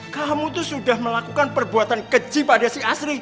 kamu tuh sudah melakukan perbuatan keji pada si asri